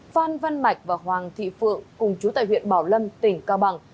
phan văn mạch và hoàng thị phượng cùng chú tại huyện bảo lâm tỉnh cao bằng